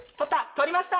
取りました！